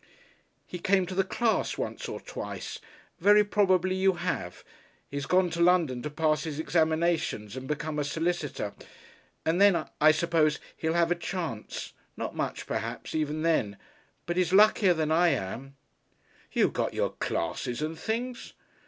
"He came to the class once or twice. Very probably you have. He's gone to London to pass his examinations and become a solicitor. And then, I suppose, he'll have a chance. Not much, perhaps, even then. But he's luckier than I am." "You got your classes and things."